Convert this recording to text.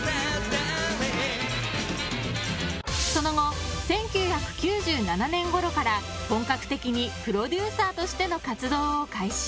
その後、１９９７年ごろから本格的にプロデューサーとしての活動を開始。